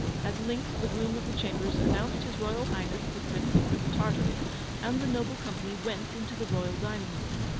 At length the groom of the chambers announced his Royal Highness the Prince of Crim Tartary! and the noble company went into the royal dining room.